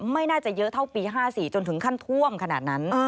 ไม่น่าจะเยอะเท่าปี๕๔จนถึงขั้นท่วมขนาดนั้น